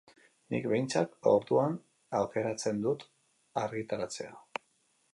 Nik behintzat orduan aukeratzen dut argitaratzea.